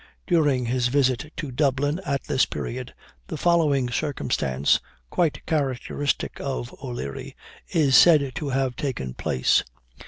During his visit to Dublin, at this period, the following circumstance, quite characteristic of O'Leary, is said to have taken place.